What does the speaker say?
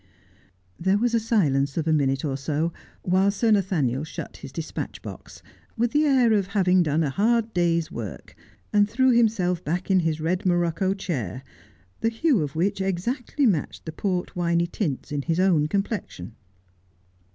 There was a silence of a minute or so, while Sir Nathaniel shut his despatch box, with the air of having done a hard day's work, and threw himself back in his red morocco chair, the hue of which exactly matched the port winey tints in his own complexion.